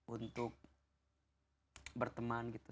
untuk berteman gitu